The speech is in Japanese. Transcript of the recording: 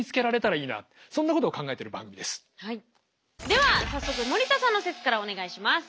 では早速森田さんの説からお願いします。